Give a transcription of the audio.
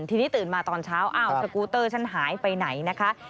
ทีนี้ตื่นมาตอนเช้าอ้าวสกูเตอร์ฉันหายไปไหนนะคะ